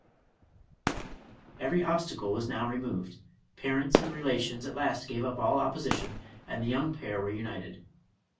Every obstacle was now removed; parents and rela tions at last gave up all opposition, and the young pair were united.